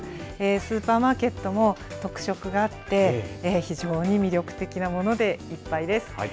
スーパーマーケットも特色があって、非常に魅力的なものでいっぱいです。